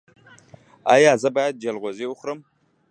ایا زه باید جلغوزي وخورم؟